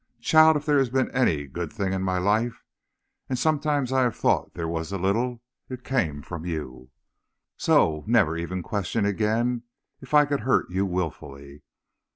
Child, if there has been any good in my life and sometimes I have thought there was a little it came from you. So, never even question again if I could hurt you willfully.